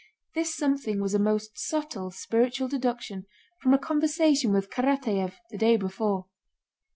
This something was a most subtle spiritual deduction from a conversation with Karatáev the day before.